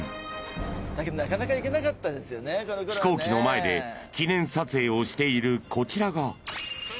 ［飛行機の前で記念撮影をしているこちらが］